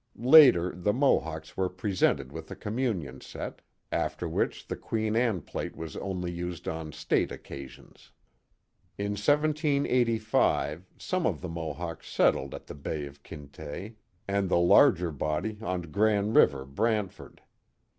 Later the Mohawks were presented with a communion set, after which the Queen Anne plate was only used on state occasions. In 1785 some of the Mohawks settled at the Bay of Quinte Queen Anne's Chapel 97 and the larger body on Grand River, Brantford.